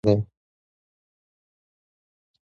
دنیا پرمختګ د مطالعې او علم له برکته دی.